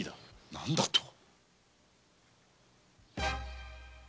何だと？